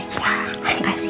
siti paskara tolong jagain